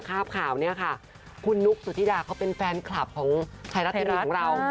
ภาพข่าวเนี่ยค่ะคุณนุ๊กสุธิดาเขาเป็นแฟนคลับของไทยรัฐทีวีของเรา